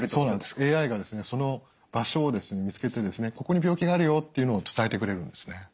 ＡＩがその場所を見つけてここに病気があるよっていうのを伝えてくれるんですね。